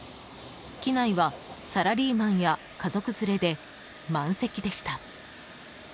機内はサラリーマンや家族連れで満席でした。